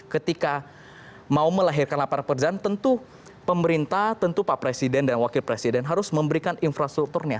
ketika mau melahirkan lapangan pekerjaan tentu pemerintah tentu pak presiden dan wakil presiden harus memberikan infrastrukturnya